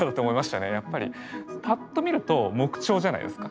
やっぱりパッと見ると木彫じゃないですか。